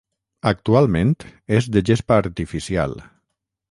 Actualment és de gespa artificial.